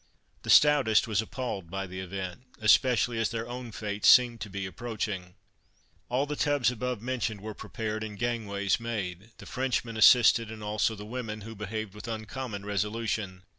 The stoutest was appalled by the event, especially as their own fate seemed to be approaching. All the tubs above mentioned were prepared, and gangways made; the Frenchmen assisted, and also the women, who behaved with uncommon resolution.